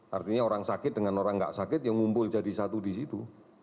artinya orang sakit dengan orang tidak sakit yang ngumpul jadi satu di situ